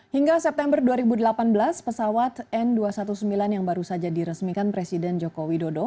hingga september dua ribu delapan belas pesawat n dua ratus sembilan belas yang baru saja diresmikan presiden joko widodo